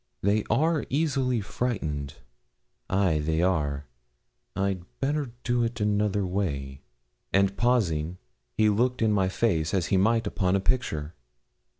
'They are easily frightened ay, they are. I'd better do it another way.' And pausing, he looked in my face as he might upon a picture.